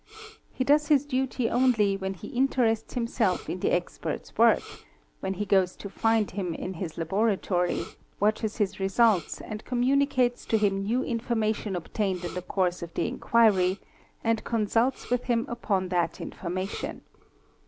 He _ does his duty only when he interests himself in the expert's work, when he goes to find him in his laboratory, watches his results, and communi cates to him new information obtained in the course of the inquiry, and — consults with him upon that information.